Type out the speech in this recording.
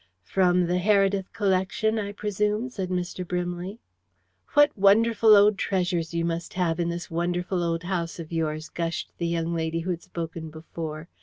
"From the Heredith collection, I presume?" said Mr. Brimley. "What wonderful old treasures you must have in this wonderful old house of yours," gushed the young lady who had spoken before.